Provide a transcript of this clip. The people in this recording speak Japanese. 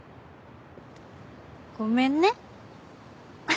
ごめんね。